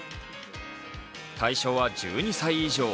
対象は１２歳以上。